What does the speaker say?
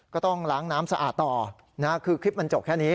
ก็ต้องล้างน้ำสะอาดต่อนะคือคลิปมันจบแค่นี้